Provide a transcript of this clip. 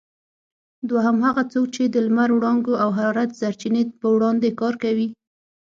دوهم: هغه څوک چې د لمر وړانګو او حرارت سرچینې په وړاندې کار کوي؟